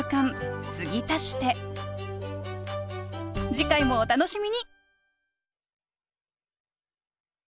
次回もお楽しみに！